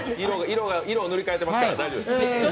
色を塗り替えてるから大丈夫です。